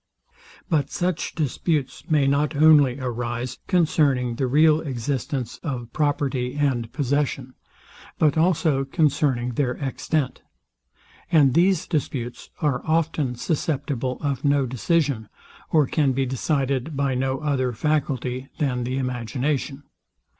But such disputes may not only arise concerning the real existence of property and possession, but also concerning their extent; and these disputes are often susceptible of no decision, or can be decided by no other faculty than the imagination.